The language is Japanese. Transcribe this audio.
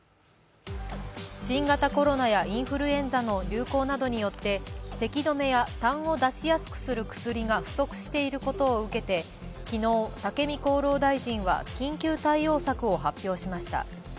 新型コロナやインフルエンザの流行などによって、せき止めやたんを出やすくする薬が不足していることを受けて昨日、武見厚労大臣は緊急対応策を発表しました。